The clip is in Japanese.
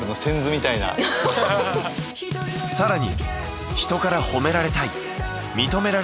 更に。